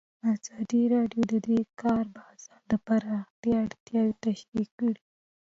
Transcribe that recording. ازادي راډیو د د کار بازار د پراختیا اړتیاوې تشریح کړي.